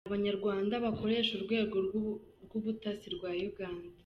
Hari abanyarwanda bakoresha Urwego rw’Ubutasi rwa Uganda